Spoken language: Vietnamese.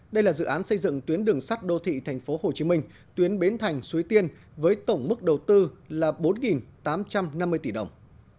đây là dự án xây dựng tuyến đường sắt đô thị tp hcm tuyến bến thành suối tiên với tổng mức đầu tư là bốn tám trăm năm mươi tỷ đồng